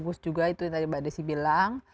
bagus juga itu yang tadi mbak desy bilang